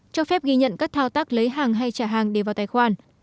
cho phép ghi nhận các thao tác lấy hàng hay trả hàng để vào tài khoản